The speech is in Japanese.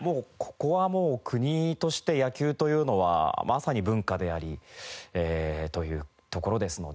ここはもう国として野球というのはまさに文化でありというところですので。